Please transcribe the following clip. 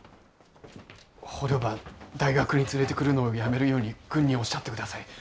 捕虜ば大学に連れてくるのをやめるように軍におっしゃって下さい。